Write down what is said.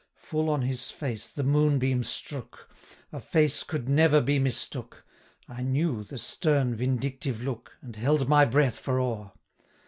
430 Full on his face the moonbeam strook! A face could never be mistook! I knew the stern vindictive look, And held my breath for awe.